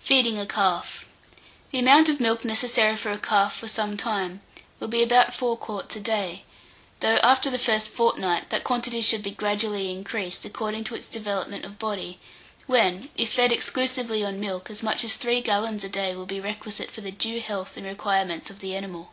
FEEDING A CALF. The amount of milk necessary for a calf for some time, will be about four quarts a day, though, after the first fortnight, that quantity should be gradually increased, according to its development of body, when, if fed exclusively on milk, as much as three gallons a day will be requisite for the due health and requirements of the animal.